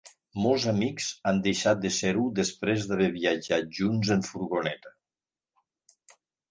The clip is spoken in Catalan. Molts amics han deixat de ser-ho després d'haver viatjat junts en furgoneta.